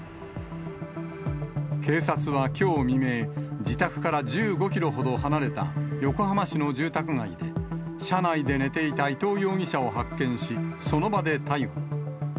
警察はきょう未明、自宅から１５キロほど離れた横浜市の住宅街で、車内で寝ていた伊藤容疑者を発見し、その場で逮捕。